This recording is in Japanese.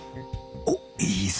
おっいいぞ